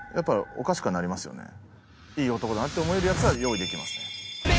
いい男だなって思えるヤツは用意できますね。